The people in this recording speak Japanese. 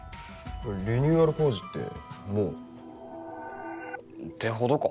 リニューアル工事ってもう？ってほどか？